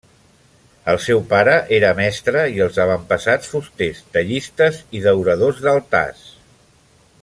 El seu pare era mestre i els avantpassats fusters, tallistes i dauradors d'altars.